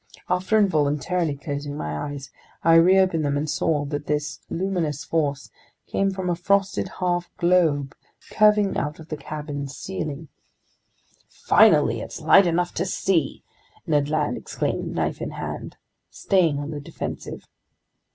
After involuntarily closing my eyes, I reopened them and saw that this luminous force came from a frosted half globe curving out of the cabin's ceiling. "Finally! It's light enough to see!" Ned Land exclaimed, knife in hand, staying on the defensive.